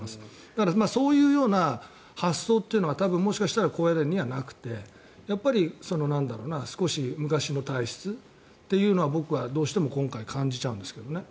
だからそういうような発想というのは多分もしかしたら高野連にはなくてやっぱり少し昔の体質というのは僕はどうしても今回感じちゃうんですけどね。